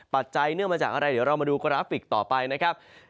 จัยเนื่องมาจากอะไรเดี๋ยวเรามาดูกราฟิกต่อไปนะครับ